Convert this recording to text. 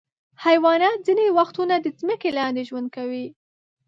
حیوانات ځینې وختونه د ځمکې لاندې ژوند کوي.